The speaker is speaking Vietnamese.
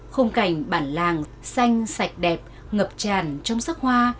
khung cảnh bản làng xanh sạch đẹp ngập tràn trong sắc hoa